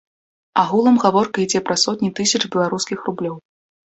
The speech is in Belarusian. Агулам гаворка ідзе пра сотні тысяч беларускіх рублёў.